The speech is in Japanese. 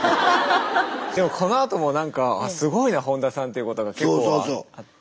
でもこのあとも何か「あすごいな本田さん」っていうことが結構あって。